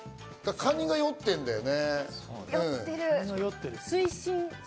カニが酔ってんだよね。